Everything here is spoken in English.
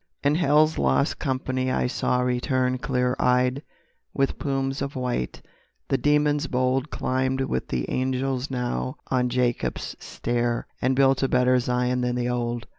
And Hell's lost company I saw return Clear eyed, with plumes of white, the demons bold Climbed with the angels now on Jacob's stair, And built a better Zion than the old.